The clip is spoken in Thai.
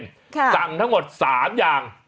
สั่งทั้งหมด๓อย่าง